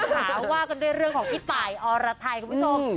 ถามว่ากันด้วยเรื่องของพี่ตายอรทัยคุณวิทย์โศง